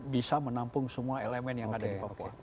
bisa menampung semua elemen yang ada di papua